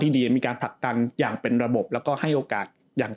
ดีมีการผลักดันอย่างเป็นระบบแล้วก็ให้โอกาสอย่าง